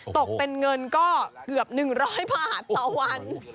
ตกเป็นเงินก็เกือบหนึ่งร้อยบาทต่อวัน